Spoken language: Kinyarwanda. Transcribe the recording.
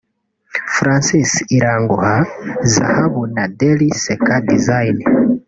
Francis Iranguha (zahabu) na Dely (Seka design)